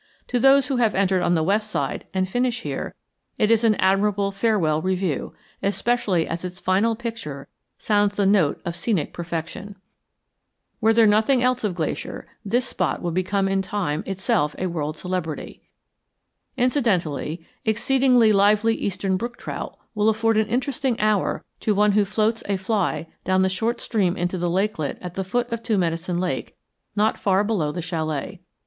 To those who have entered on the west side and finish here it is an admirable farewell review, especially as its final picture sounds the note of scenic perfection. Were there nothing else of Glacier, this spot would become in time itself a world celebrity. Incidentally, exceedingly lively Eastern brook trout will afford an interesting hour to one who floats a fly down the short stream into the lakelet at the foot of Two Medicine Lake not far below the chalet.